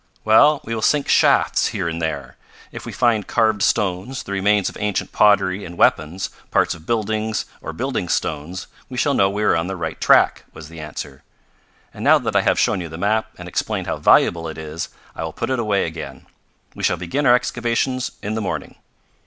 "Well, we will sink shafts here and there. If we find carved stones, the remains of ancient pottery and weapons, parts of buildings or building stones, we shall know we are on the right track," was the answer. "And now that I have shown you the map, and explained how valuable it is, I will put it away again. We shall begin our excavations in the morning."